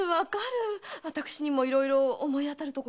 私にもいろいろ思い当たるところがあるから。